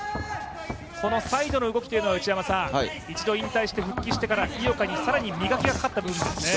そのサイドの動きというのは一度引退してから復帰して、井岡に更に磨きがかかった部分ですね。